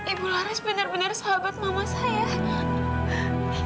ibu laris benar benar sahabat mama saya